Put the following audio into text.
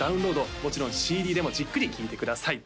もちろんＣＤでもじっくり聴いてください